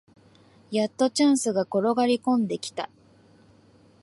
やっとチャンスが転がりこんできた